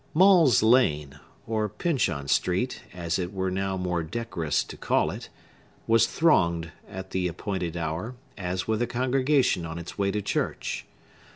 Maule's Lane, or Pyncheon Street, as it were now more decorous to call it, was thronged, at the appointed hour, as with a congregation on its way to church.